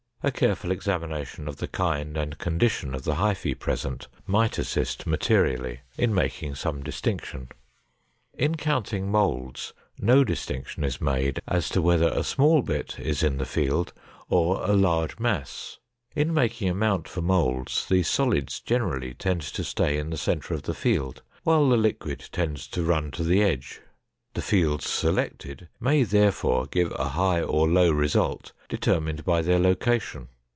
A careful examination of the kind and condition of the hyphae present might assist materially in making some distinction. In counting molds, no distinction is made as to whether a small bit is in the field or a large mass. In making a mount for molds, the solids generally tend to stay in the center of the field while the liquid tends to run to the edge. The fields selected may therefore give a high or low result determined by their location.